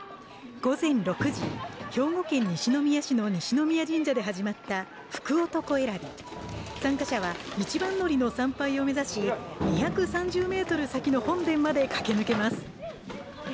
午前６時兵庫県西宮市の西宮神社で始まった福男選び参加者は一番乗りの参拝を目指し２３０ｍ先の本殿まで駆け抜けます